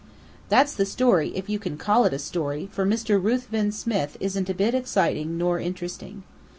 "That's the story, if you can call it a story, for Mr. Ruthven Smith isn't a bit exciting nor interesting.